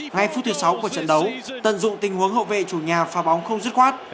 ngay phút thứ sáu của trận đấu tận dụng tình huống hậu vệ chủ nhà pha bóng không dứt khoát